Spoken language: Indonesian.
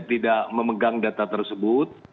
tidak memegang data tersebut